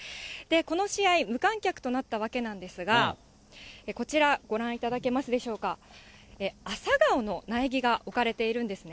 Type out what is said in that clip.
この試合、無観客となったわけなんですが、こちら、ご覧いただけますでしょうか、アサガオの苗木が置かれているんですね。